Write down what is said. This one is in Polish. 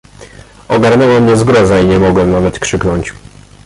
"Ogarnęła mnie zgroza i nie mogłem nawet krzyknąć."